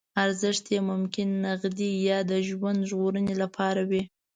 ارزښت یې ممکن نغدي یا د ژوند ژغورنې لپاره وي.